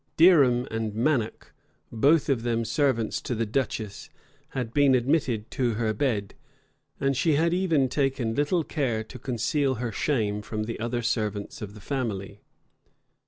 Derham and Mannoc, both of them servants to the duchess, had been admitted to her bed; and she had even taken little care to conceal her shame from the other servants of the family.